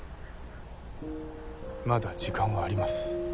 まだ時間はあります。